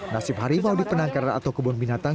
nasib hari mau dipenangkan atau kebun binatang